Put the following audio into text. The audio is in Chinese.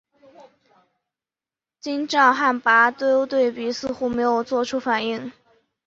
金帐汗拔都对此似乎没有作出反应。